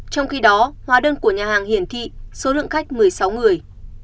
trong khi đó hóa đơn của nhà hàng hiển thị số lượng khách một mươi sáu người